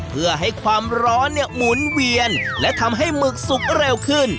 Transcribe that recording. เพื่อให้ความร้อนเนี่ยหมุนเวียนและทำให้หมึกสุกเร็วขึ้น